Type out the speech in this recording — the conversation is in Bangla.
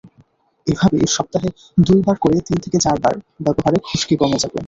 এভাবে সপ্তাহে দুইবার করে তিন থেকে চারবার ব্যবহারে খুশকি কমে যাবে।